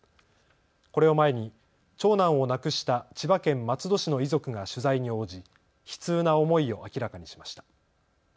これを前に長男を亡くした千葉県松戸市の遺族が取材に応じ悲痛な思いを明らかにしました。